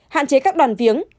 hạn chế các đoàn viếng